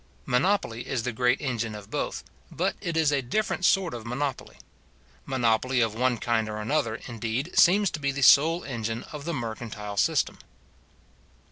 Monopoly is the great engine of both; but it is a different sort of monopoly. Monopoly of one kind or another, indeed, seems to be the sole engine of the mercantile system.